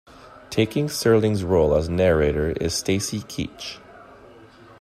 Taking Serling's role as narrator is Stacy Keach.